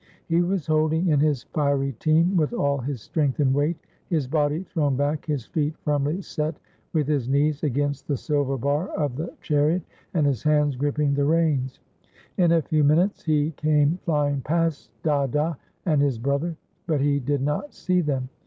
He was holding in his fiery team with all his strength and weight — his body thrown back, his feet firmly set with his knees against the silver bar of the chariot, and his hands gripping the reins. In a few min utes he came flying past Dada and his brother, but he did not see them.